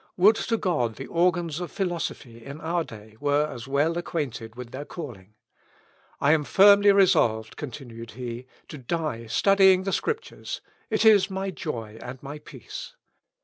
Would to God the organs of philosophy, in our day, were as well acquainted with their calling! "I am firmly resolved," continued he, "to die studying the Scriptures; it is my joy and my peace."